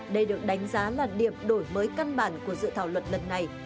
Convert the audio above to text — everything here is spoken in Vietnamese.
đây được đánh giá là điểm đổi mới căn bản của dự thảo luật lần này